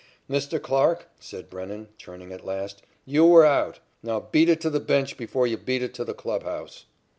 "Mr. Clarke," said Brennan, turning at last, "you were out. Now beat it to the bench before you beat it to the clubhouse."